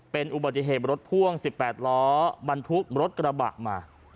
เป็นอุบัติเหตุรถพ่วง๑๘ล้อบรรทุกรถกระบะมา